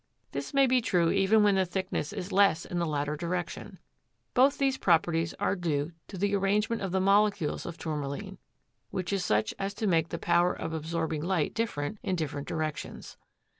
This may be true even when the thickness is less in the latter direction. Both these properties are due to the arrangement of the molecules of Tourmaline, which is such as to make the power of absorbing light different in different directions.